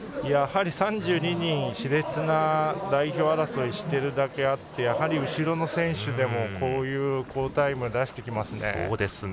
やはり３２人、しれつな代表争いをしているだけあってやはり後ろの選手でもこういう好タイムを出してきますね。